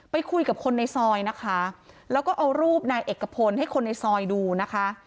ไปคุยกับคนในซอยนะคะแล้วก็เอารูปนายเอกพลให้คนในซอยดูนะคะ